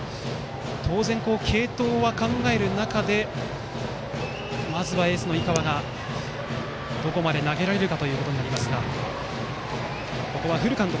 当然、継投は考える中でまずはエースの井川がどこまで投げられるか。